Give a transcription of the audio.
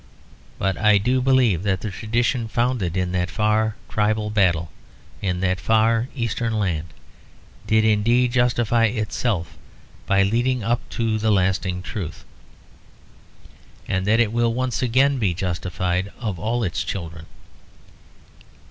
But I do believe that the tradition founded in that far tribal battle, in that far Eastern land, did indeed justify itself by leading up to a lasting truth; and that it will once again be justified of all its children.